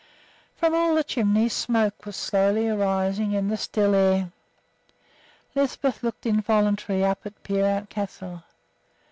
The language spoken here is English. From all the chimneys smoke was slowly arising in the still air. Lisbeth looked involuntarily up at Peerout Castle.